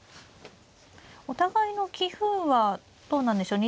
お互いの棋風はどうなんでしょう。